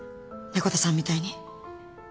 猫田さんみたいに。